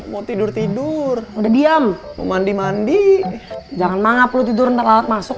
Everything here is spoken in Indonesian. mau tidur tidur udah diam mau mandi mandi jangan mangap lu tidur ntar lalat masuk